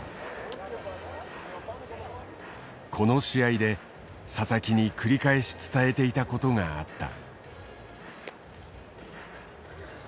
この試合で佐々木に繰り返し伝えていたことがあった。